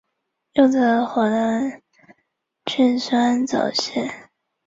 又得河南郡酸枣县。